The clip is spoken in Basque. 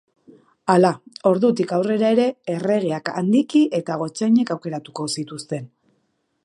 Hala, ordutik aurrera ere, erregeak handiki eta gotzainek aukeratuko zituzten.